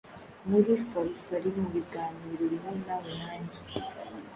Muri farufarimubiganiro bimwe nawe na njye